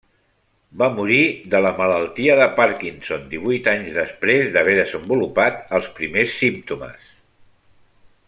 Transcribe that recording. Va morir de la malaltia de Parkinson divuit anys després d'haver desenvolupat els primers símptomes.